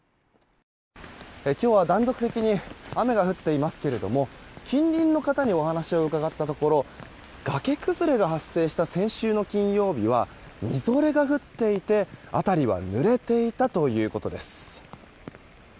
今日は断続的に雨が降っていますけど近隣の方にお話を伺ったところ崖崩れが発生した先週の金曜日はみぞれが降っていて辺りはぬれていたということです。